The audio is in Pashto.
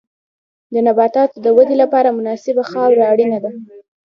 د نباتاتو د ودې لپاره مناسبه خاوره اړینه ده.